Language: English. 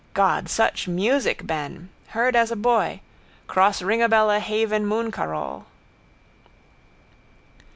God, such music, Ben. Heard as a boy. Cross Ringabella haven mooncarole.